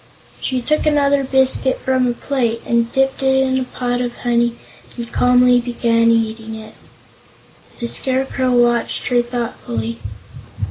She took another biscuit from a plate and dipped it in a pot of honey and calmly began eating it. The Scarecrow watched her thoughtfully.